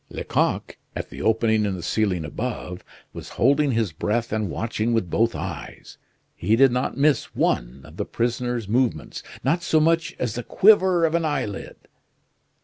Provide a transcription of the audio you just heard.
Lecoq, at the opening in the ceiling above, was holding his breath and watching with both eyes. He did not miss one of the prisoner's movements not so much as the quiver of an eyelid.